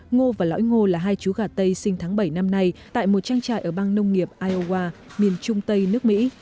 ngô và lõi ngô là hai chú gà tây sinh tháng bảy năm nay tại một trang trại ở bang nông nghiệp iowa miền trung tây nước mỹ